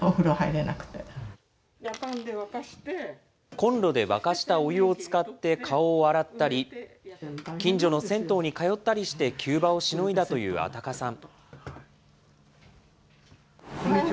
コンロで沸かしたお湯を使って顔を洗ったり、近所の銭湯に通ったりして急場をしのいだという安宅さん。